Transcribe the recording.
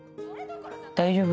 「大丈夫？」